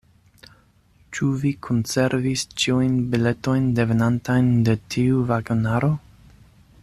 Ĉu vi konservis ĉiujn biletojn devenantajn de tiu vagonaro?